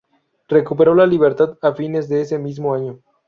Recuperó la libertad a fines de ese mismo año.